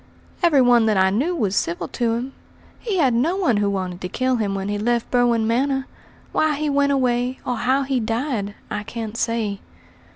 "Every one that I knew was civil to him; he had no one who wanted to kill him when he left Berwin Manor. Why he went away, or how he died, I can't say."